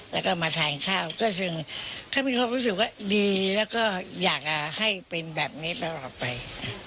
แล้วก็มาทานข้าวก็ซึ่งเขามีความรู้สึกว่าดีแล้วก็อยากให้เป็นแบบนี้ตลอดไป